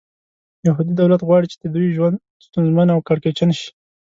یهودي دولت غواړي چې د دوی ژوند ستونزمن او کړکېچن شي.